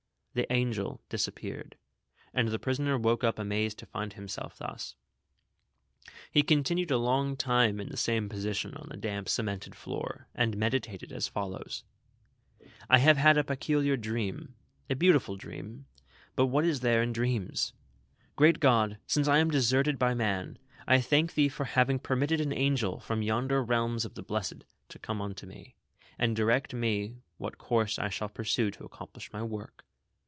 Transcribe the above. The angel disappeared, and the prisoner woke up, amazed to find himself thus. He continued a long time in the same position, on the damp cemented floor, and meditated as follows :" I have had a peculiar dream, a beautiful dream ; but what is there in dreams V Great God, since I am deserted by man, I thank Thee for liaving ]ievmitted an angel from yonder realms of tlie blessed to come unto me, and direct me what course I shall pursue to accomplish my work.